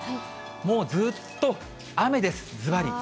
もうずっと雨です、ずばり。